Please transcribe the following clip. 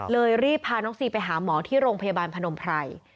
รีบพาน้องซีไปหาหมอที่โรงพยาบาลพนมไพร